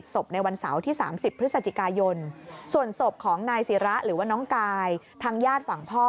ส่วนศพของนายศิระหรือว่าน้องกายทางญาติฝังพ่อ